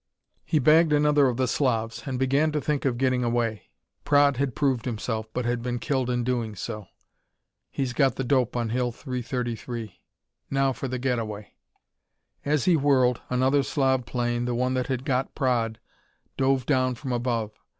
He bagged another of the Slavs, and began to think of getting away. Praed had proved himself, but had been killed in doing so. He's got the dope on Hill 333. Now for the getaway. As he whirled, another Slav plane the one that had got Praed dove down from above.